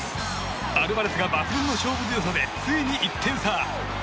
アルバレスが抜群の勝負強さでついに１点差。